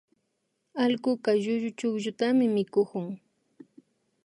Allkuka llullu chukllutami mikukun